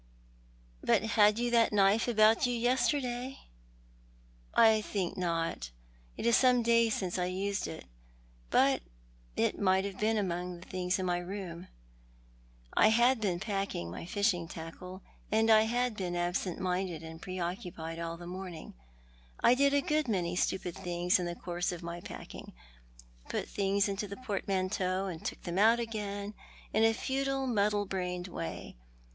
" But had you that knife about you yesterday ?"" I think not. It is some days since I used it, but it may have been among the things in my room. I had been packing my fishing tackle, and I had been absent minded and pre occupied all the morning. I did a good many stujiid things in the course of my packing— put things into the portmanteau and took them out again, in a futile, muddle brained way.